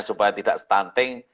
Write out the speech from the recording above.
supaya tidak stunting